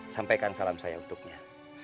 sampaikan salam saya untuknya